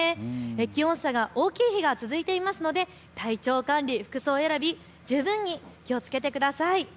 気温差が大きい日が続いていますので体調管理、服装選び、十分に気をつけてください。